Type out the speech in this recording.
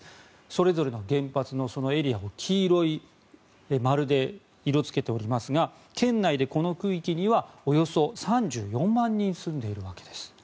それぞれの原発のエリアの黄色い丸で色付けておりますが県内で、この区域にはおよそ３４万人が住んでいるわけです。